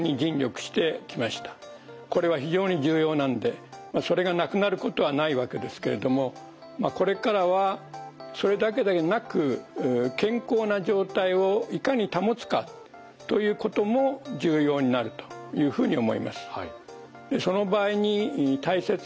これは非常に重要なのでそれがなくなることはないわけですけれどもこれからはそれだけでなく健康な状態をいかに保つかということも重要になるというふうに思います。